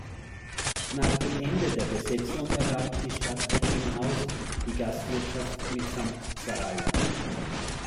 Nach dem Ende der Besetzung erwarb die Stadt Recklinghausen die Gastwirtschaft mitsamt Saal.